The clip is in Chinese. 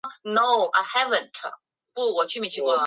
这个故事关系到林瑞间的婚姻。